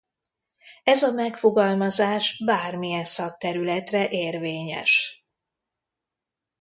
Ez a megfogalmazás bármilyen szakterületre érvényes.